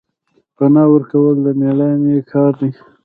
پنا ورکول د میړانې کار دی